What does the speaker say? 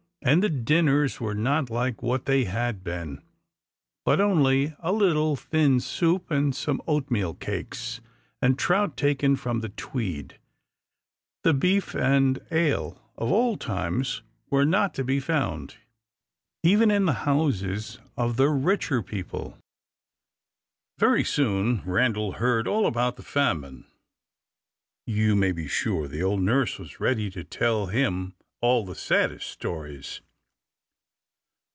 And the dinners were not like what they had been, but only a little thin soup, and some oatmeal cakes, and trout taken from the Tweed. The beef and ale of old times were not to be found, even in the houses of the richer people. Very soon Randal heard all about the famine; you may be sure the old nurse was ready to tell him all the saddest stories.